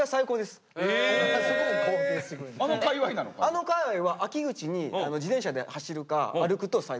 あの界わいは秋口に自転車で走るか歩くと最高です。